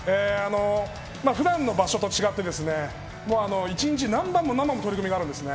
普段の場所と違って１日何番も取組があるんですね。